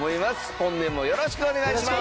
本年もよろしくお願いします。